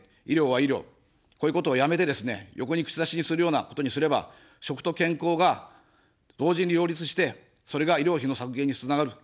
こういうことをやめてですね、横に串刺しにするようなことにすれば、食と健康が同時に両立して、それが医療費の削減につながる。